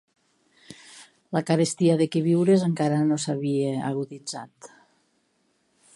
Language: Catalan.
La carestia de queviures encara no s'havia aguditzat